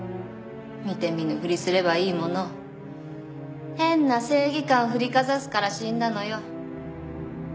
見て見ぬふりすればいいものを変な正義感振りかざすから死んだのよ。